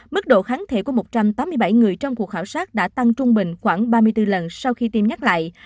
mức độ kháng thể của một trăm tám mươi bảy người trong cuộc khảo sát đã tăng trung bình khoảng ba mươi bốn lần sau khi tiêm nhắc lại